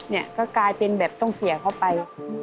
เนี่ยก็กลายเป็นแบบต้องเสียเขาไป